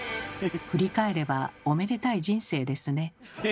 振り返ればおめでたい人生ですね。